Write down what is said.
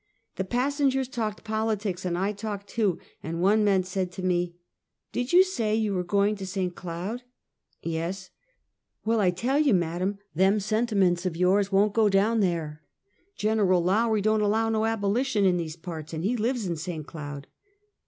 The passengers talked politics and I talked too, and one man said to me: " Did you say you were going to St. Cloud? " Yes." " Well, I tell you, madam, tliem sentiments of yours won't go down there. Gen. LoM^rie don't allow no abolition in these parts and he lives in St. Cloud."